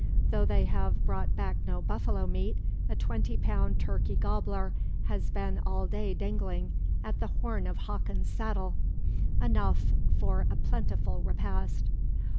Though they have brought back no buffalo meat a twenty pound turkey "gobbler" has been all day dangling at the horn of Hawkins' saddle enough for a plentiful repast.